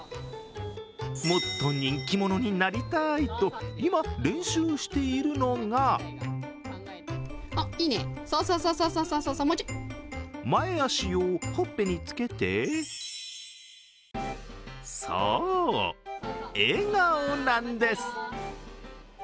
もっと人気者になりたいと今、練習しているのが前足をほっぺにつけてそう、笑顔なんです。